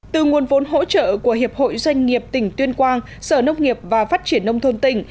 từ nguồn vốn hỗ trợ của hiệp hội doanh nghiệp tỉnh tuyên quang sở nông nghiệp và phát triển nông thôn tỉnh